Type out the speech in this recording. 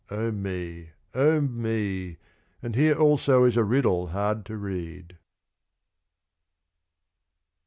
O me! O me! and here also is a Riddle hard to read.